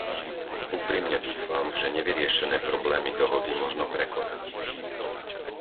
Úprimne dúfam, že nevyriešené problémy dohody možno prekonať.